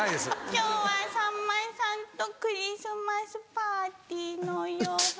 今日はさんまさんとクリスマスパーティーの洋服。